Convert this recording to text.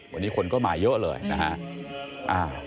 วันนี้คนก็มาเยอะเลยนะฮะ